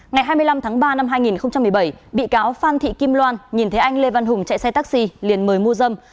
ngày hai mươi năm tháng ba năm hai nghìn một mươi bảy bị cáo phan thị kim loan nhìn thấy anh lê văn hùng chạy xe taxi liền mời mua dâm